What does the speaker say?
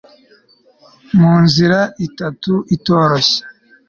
Mu nzira Itatu itoroshye